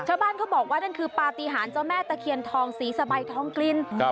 ชาวบ้านเขาบอกว่านั่นคือปฏิหารเจ้าแม่ตะเคียนทองสีสะใบทองกลิ่น